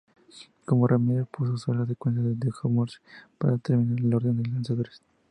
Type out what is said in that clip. Como remedio, propuso usar la secuencia Thue-Morse para determinar el orden de lanzadores.